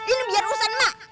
ini biar urusan mak